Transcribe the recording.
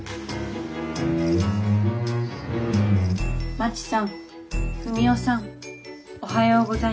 まちさんふみおさんおはようございます。